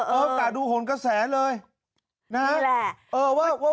เออเออตาดูหนกระแสเลยนี่แหละนี่แหละ